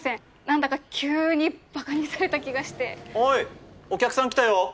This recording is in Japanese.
なんだか急にバカにされた気がしておいお客さん来たよ